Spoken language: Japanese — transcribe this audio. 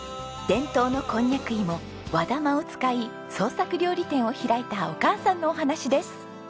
伝統のこんにゃくいも和玉を使い創作料理店を開いたお母さんのお話です。